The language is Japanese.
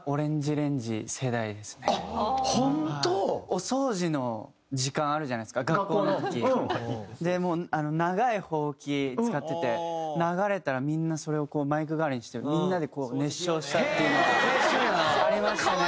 お掃除の時間あるじゃないですか学校の。で長いほうき使ってて流れたらみんなそれをマイク代わりにしてみんなでこう熱唱したっていうのはありましたね。